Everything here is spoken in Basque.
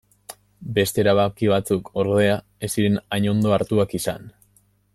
Beste erabaki batzuk, ordea, ez ziren hain ondo hartuak izan.